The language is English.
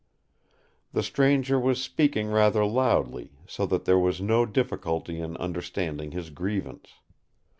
The stranger was speaking rather loudly, so that there was no difficulty in understanding his grievance.